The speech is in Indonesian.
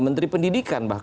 menteri pendidikan bahkan